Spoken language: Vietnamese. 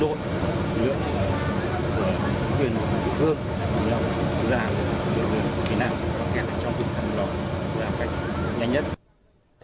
rồi với hết cái lực lượng của tỉnh hòa bình